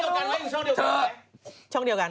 มองไม่อยู่ช่องเดียวกัน